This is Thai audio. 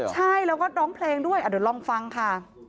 ใช่แล้วก็ร้องเพลงด้วยเดี๋ยวลองฟังค่ะ